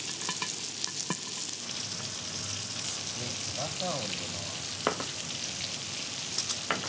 バターを入れます。